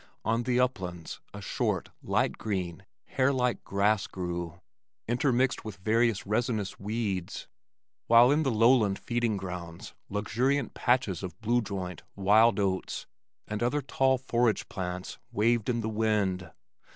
On the uplands a short, light green, hairlike grass grew, intermixed with various resinous weeds, while in the lowland feeding grounds luxuriant patches of blue joint, wild oats, and other tall forage plants waved in the wind.